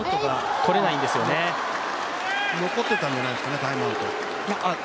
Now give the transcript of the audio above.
残ってたんじゃないですかね、タイムアウト。